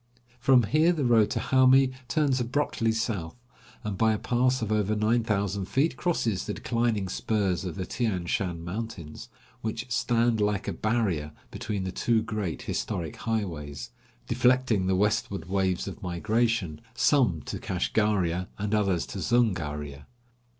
From here the road to Hami turns abruptly south, and by a pass of over nine thousand feet crosses the declining spurs of the Tian Shan mountains, which stand like a barrier between the two great historic highways, deflecting the westward waves of migration, some to Kashgaria and others to Zungaria.